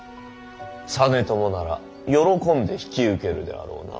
実朝なら喜んで引き受けるであろうな。